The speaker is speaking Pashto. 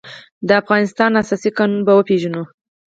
د افغانستان اساسي قانون به وپېژنو.